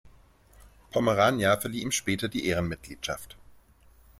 Pomerania verlieh ihm später die Ehrenmitgliedschaft.